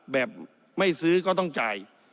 แบบไม่ซื้อก็ต้องจ่าย